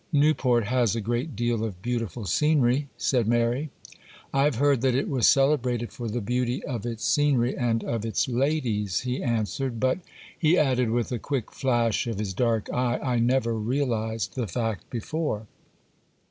'Newport has a great deal of beautiful scenery,' said Mary. 'I have heard that it was celebrated for the beauty of its scenery and of its ladies,' he answered; 'but,' he added, with a quick flash of his dark eye, 'I never realised the fact before.